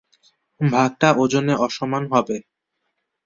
ভাগটা ওজনে অসমান হবে।